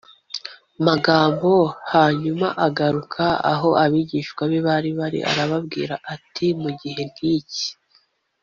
magambo Hanyuma agaruka aho abigishwa be bari arababwira ati mu gihe nk iki